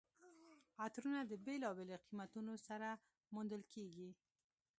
عطرونه د بېلابېلو قیمتونو سره موندل کیږي.